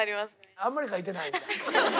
あんまり描いてないんだ。